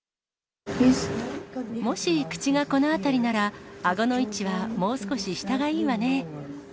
もし口がこの辺りなら、あごの位置は、もう少し下がいいわね。